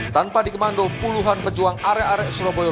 tanpa dikemando puluhan pejuang area area surabaya